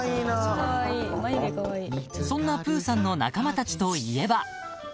［そんなプーさんの仲間たちといえば］